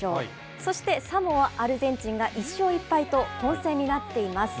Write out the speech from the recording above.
そしてサモア、アルゼンチンが１勝１敗と、混戦になっています。